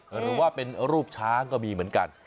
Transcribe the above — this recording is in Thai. หรือว่าเป็นรูปช้างก็มีเหมือนกัน